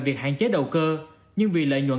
việc hạn chế đầu cơ nhưng vì lợi nhuận